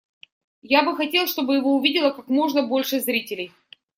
Я бы хотел, чтобы его увидело как можно больше зрителей.